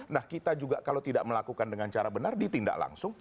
nah kita juga kalau tidak melakukan dengan cara benar ditindak langsung